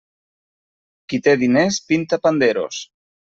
Qui té diners pinta panderos.